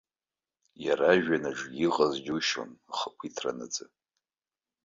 Иара ажәҩан аҿгьы иҟаз џьушьон ахақәиҭра наӡа!